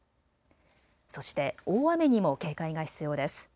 そして大雨にも警戒が必要です。